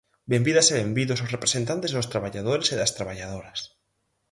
Benvidas e benvidos os representantes dos traballadores e das traballadoras.